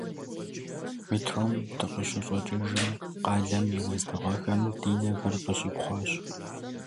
Метром дыкъыщыщӀэкӀыжым, къалэм и уэздыгъэхэм ди нэхэр къыщипхъуащ.